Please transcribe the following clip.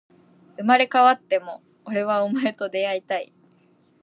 生まれ変わっても、俺はお前と出会いたい